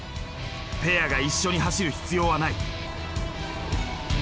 ペアが一緒に走る必要はない。